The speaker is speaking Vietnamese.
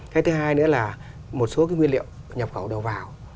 cái thứ hai nữa là một số cái nguyên liệu nhập khẩu đầu vào